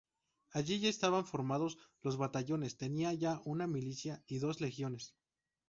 Allí ya estaban formados los batallones, tenían ya una milicia y dos legiones.